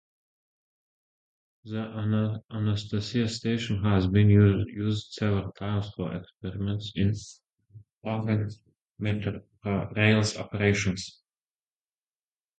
The Anacostia station has been used several times for experiments in improving Metrorail's operations.